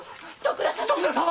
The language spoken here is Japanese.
徳田様！